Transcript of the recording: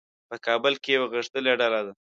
په کابل کې یوه غښتلې ډله ده.